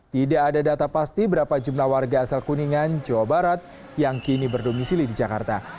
tidak ada data pasti berapa jumlah warga asal kuningan jawa barat yang kini berdomisili di jakarta